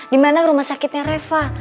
dimana rumah sakitnya reva